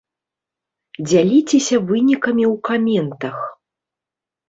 Дзяліцеся вынікамі ў каментах!